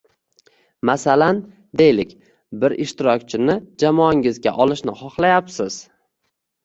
Masalan, deylik bir ishtirokchini jamoangizga olishni xohlayapsiz